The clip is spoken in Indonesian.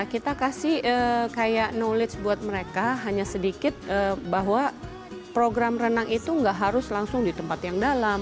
kita kasih kayak knowledge buat mereka hanya sedikit bahwa program renang itu nggak harus langsung di tempat yang dalam